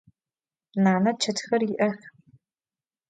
Nane çetxer yi'ex.